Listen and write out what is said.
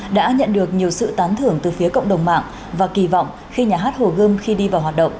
đã nhận được nhiều sự tán thưởng từ phía cộng đồng mạng và kỳ vọng khi nhà hát hồ gươm khi đi vào hoạt động